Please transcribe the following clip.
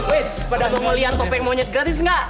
wait pada mau liat topeng monyet gratis gak